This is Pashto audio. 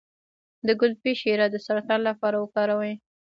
د ګلپي شیره د سرطان لپاره وکاروئ